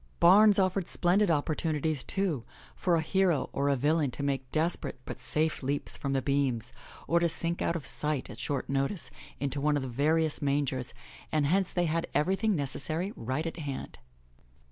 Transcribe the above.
Barns offered splendid opportunities, too, for a hero or a villain to make desperate but safe leaps from the beams, or to sink out of sight, at short notice, into one of the various man gers, and hence they had everything necessary right at hand.